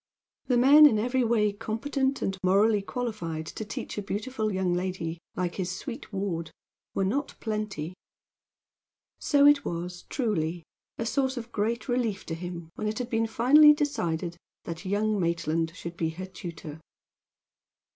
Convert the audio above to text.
The men in every way competent and morally qualified to teach a beautiful young lady, like his sweet ward, were not plenty. So it was, truly, a source of great relief to him when it had been finally decided that young Maitland should be her tutor.